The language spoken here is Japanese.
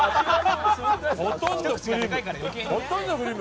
ほとんどクリーム。